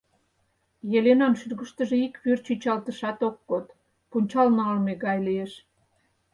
Еленан шӱргыштыжӧ ик вӱр чӱчалтышат ок код, пунчал налме гай лиеш.